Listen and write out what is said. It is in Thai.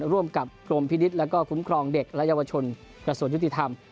ร่วมกับกรมพินิษฐ์แล้วก็คุ้มครองเด็กและเยาวชนกระทรวงยุติธรรม